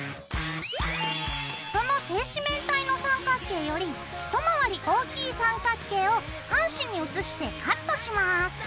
その正四面体の三角形より一回り大きい三角形を半紙に写してカットします。